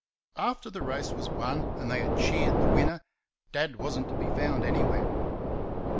After the race was won and they had cheered the winner, Dad was n't to be found anywhere.